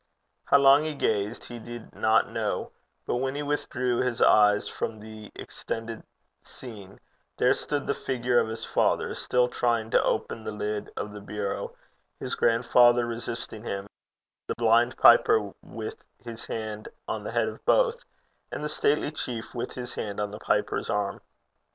How long he gazed, he did not know, but when he withdrew his eyes from the extended scene, there stood the figure of his father, still trying to open the lid of the bureau, his grandfather resisting him, the blind piper with his hand on the head of both, and the stately chief with his hand on the piper's arm.